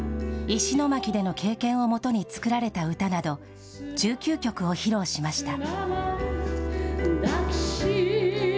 石巻での経験をもとに作られた歌など、１９曲を披露しました。